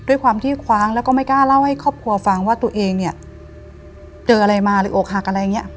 ด้วยความที่คว้างแล้วก็ไม่กล้าเล่าให้ครอบครัวฟังว่าตัวเองเนี่ยเจออะไรมาหรืออกหักอะไรอย่างนี้